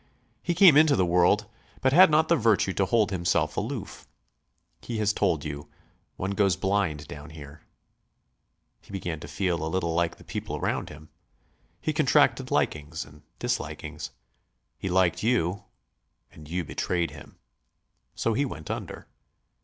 He came into the world, but had not the virtue to hold himself aloof. He has told you, 'One goes blind down here.' He began to feel a little like the people round him. He contracted likings and dislikings. He liked you ... and you betrayed him. So he went under.